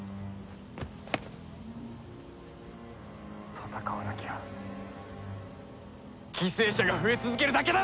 戦わなきゃ犠牲者が増え続けるだけだろ！